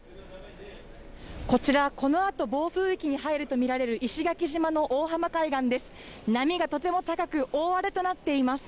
こちらこのあと暴風域に入るとみられる石垣島の大浜海岸です。